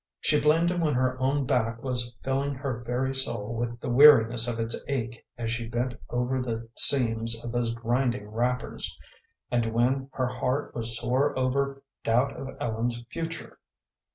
She blamed him when her own back was filling her very soul with the weariness of its ache as she bent over the seams of those grinding wrappers, and when her heart was sore over doubt of Ellen's future.